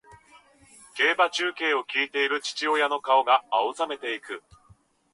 競馬中継を聞いている父親の顔が青ざめていく